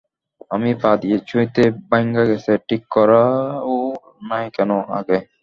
আমি পা দিয়া ছুঁইতেই ভাইঙা গেসে, ঠিক করাও নাই কেন, আগে!